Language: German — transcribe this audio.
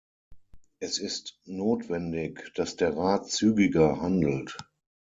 Es ist notwendig, dass der Rat zügiger handelt.